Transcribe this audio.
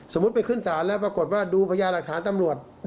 ไปขึ้นศาลแล้วปรากฏว่าดูพญาหลักฐานตำรวจ